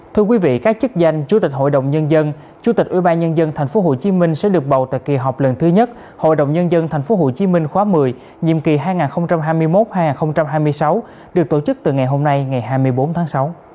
thưa quý vị các chức danh chủ tịch hội đồng nhân dân chủ tịch ubnd tp hcm sẽ được bầu tại kỳ họp lần thứ nhất hội đồng nhân dân tp hcm khóa một mươi nhiệm kỳ hai nghìn hai mươi một hai nghìn hai mươi sáu được tổ chức từ ngày hôm nay ngày hai mươi bốn tháng sáu